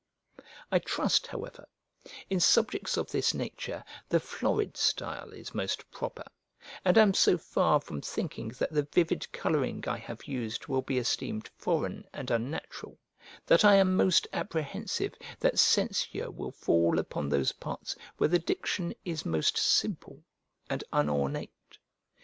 I trust, however, in subjects of this nature the florid style is most proper; and am so far from thinking that the vivid colouring I have used will be esteemed foreign and unnatural that I am most apprehensive that censure will fall upon those parts where the diction is most simple and unornate.